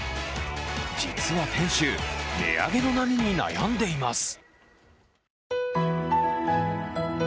実は店主、値上げの波に悩んでいます。